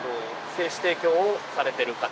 精子提供をされている方？